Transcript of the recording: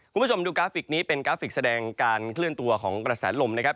คุณผู้ชมดูกราฟิกนี้เป็นกราฟิกแสดงการเคลื่อนตัวของกระแสลมนะครับ